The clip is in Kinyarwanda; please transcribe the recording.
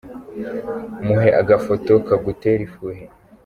Muhe agafoto kagutera ifuhe